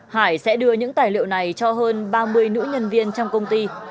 hải sẽ đưa những tài liệu này cho hơn ba mươi nữ nhân viên trong công ty